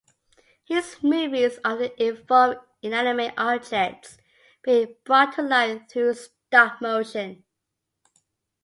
His movies often involve inanimate objects being brought to life through stop motion.